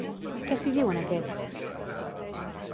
Què s'hi diu en aquest?